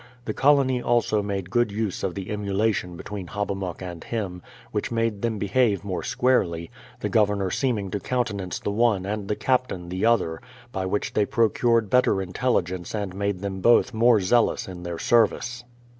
The colony also made } ood use of the emulation between Hobbamok and him, vhich made them behave more squarely, the Governor seeming to countenance the one and the Captain the other, by which they procured better intelligence and made them both more zealous in their service.